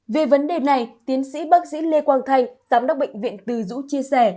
về vấn đề này tiến sĩ bác sĩ lê quang thanh giám đốc bệnh viện từ dũ chia sẻ